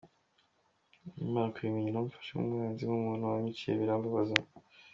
Nkimara kubimenya namufashe nk’umwanzi, nk’umuntu wanyiciye ,birambabaza .